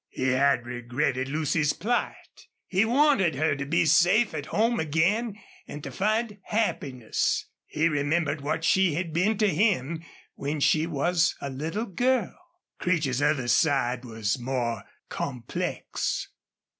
He had regretted Lucy's plight; he wanted her to be safe at home again and to find happiness; he remembered what she had been to him when she was a little girl. Creech's other side was more complex.